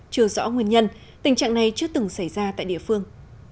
chưa rõ nguyên nhân tình trạng này chưa từng xảy ra tại địa phương